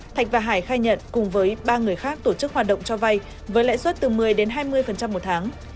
thạch và hải khai nhận cùng với ba người khác tổ chức hoạt động cho vay với lãi suất từ một mươi đến hai mươi một tháng